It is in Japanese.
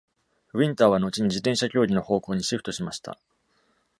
ウィンターは、のちに自転車競技の方向にシフトしました。